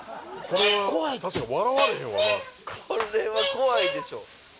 これは怖いでしょ